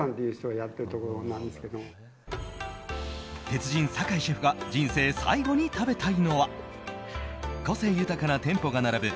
鉄人・坂井シェフが人生最後に食べたいのは個性豊かな店舗が並ぶ